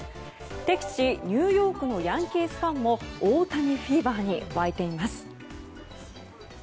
敵地、ニューヨークのヤンキースファンも大谷フィーバーに沸いています。